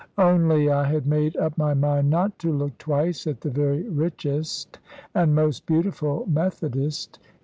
Only I had made up my mind not to look twice at the very richest and most beautiful Methodist.